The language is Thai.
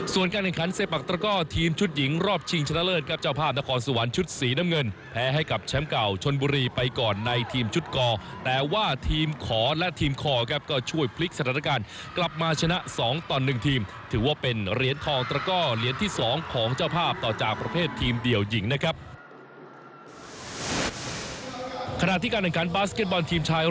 ส่วนการแข่งขันเซปักตระก้อทีมชุดหญิงรอบชิงชนะเลิศครับเจ้าภาพนครสวรรค์ชุดสีน้ำเงินแพ้ให้กับแชมป์เก่าชนบุรีไปก่อนในทีมชุดกอแต่ว่าทีมขอและทีมคอครับก็ช่วยพลิกสถานการณ์กลับมาชนะ๒ต่อ๑ทีมถือว่าเป็นเหรียญทองตระก้อเหรียญที่๒ของเจ้าภาพต่อจากประเภททีมเดี่ยวหญิงนะครับ